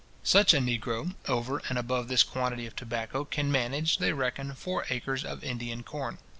Such a negro, over and above this quantity of tobacco, can manage, they reckon, four acres of Indian corn.